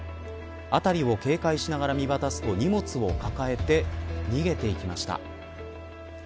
辺りを警戒しながら見渡すと荷物を抱えて逃げていきました。